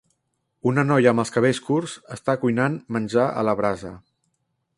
Una noia amb els cabells curts està cuinant menjar a la brasa.